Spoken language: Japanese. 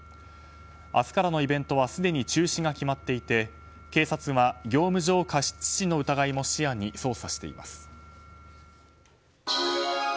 明日からのイベントはすでに中止が決まっていて警察は業務上過失致死の疑いも視野に捜査しています。